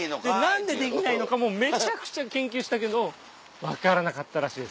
何でできないのかもめちゃくちゃ研究したけど分からなかったらしいですね。